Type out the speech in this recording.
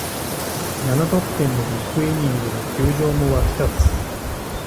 七得点のビッグイニングに球場も沸き立つ